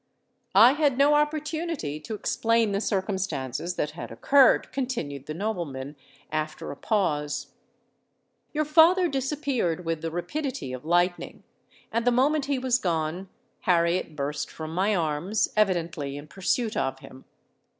"I had no opportunity to explain the circumstances that had occurred," continued the nobleman, after a pause. "Your father disappeared with the rapidity of lightning; and the moment he was gone, Harriet burst from my arms, evidently in pursuit of him.